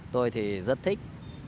tôi thì rất thích